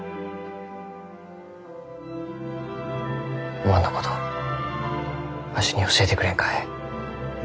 おまんのことわしに教えてくれんかえ？